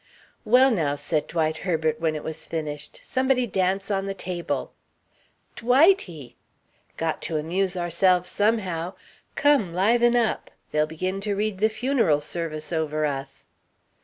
"Well, now," said Dwight Herbert when it was finished, "somebody dance on the table." "Dwightie!" "Got to amuse ourselves somehow. Come, liven up. They'll begin to read the funeral service over us."